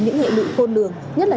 những người đánh bạc